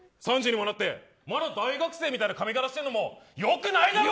３０にもなって、まだ大学生みたいな髪型してるのもよくないだろ。